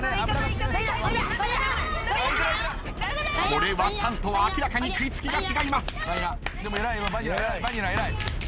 これはタンとは明らかに食い付きが違います。